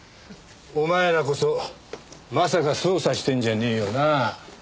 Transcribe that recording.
お前らこそまさか捜査してるんじゃねえよな？